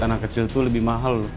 anak kecil tuh lebih mahal